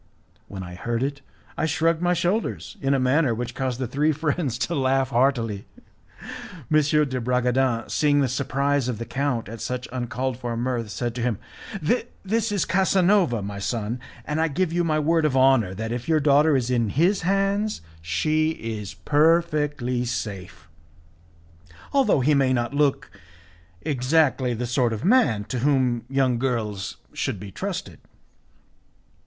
When I heard it, I shrugged my shoulders in a manner which caused the three friends to laugh heartily. M. de Bragadin, seeing the surprise of the count at such uncalled for mirth, said to him, "This is Casanova my son, and I give you my word of honour that, if your daughter is in his hands, she is perfectly safe, although he may not look exactly the sort of man to whom young girls should be trusted."